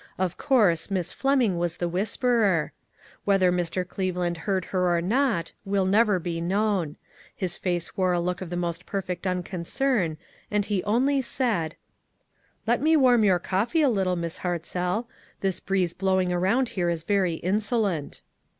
Of course, Miss Fleming was the whisperer. Whether Mr. Cleveland heard her or not, will never be known ; his face wore a look of the most perfect unconcern, and he only said: " Let me warm your coffee a little, Miss Hartzell ; this breeze blowing around here is very insolent."